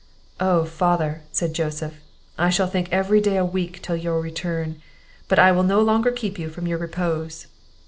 "Oh, father!" said Joseph, "I shall think every day a week till your return; but I will no longer keep you from your repose."